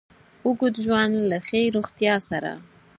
اوږد ژوند له له ښې روغتیا سره